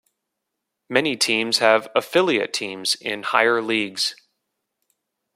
Many teams have affiliate teams in higher leagues.